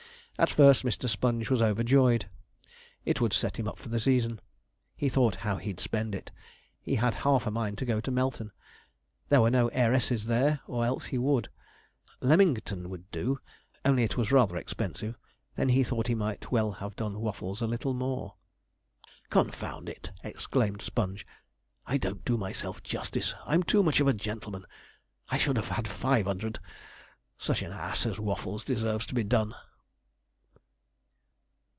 At first Mr. Sponge was overjoyed. It would set him up for the season. He thought how he'd spend it. He had half a mind to go to Melton. There were no heiresses there, or else he would. Leamington would do, only it was rather expensive. Then he thought he might as well have done Waffles a little more. 'Confound it!' exclaimed Sponge, 'I don't do myself justice! I'm too much of a gentleman! I should have had five 'under'd such an ass as Waffles deserves to be done!'